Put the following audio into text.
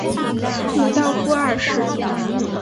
鲁道夫二世。